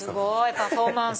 パフォーマンス。